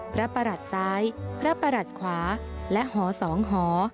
ประหลัดซ้ายพระประหลัดขวาและหอ๒หอ